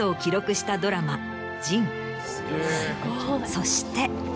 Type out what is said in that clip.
そして。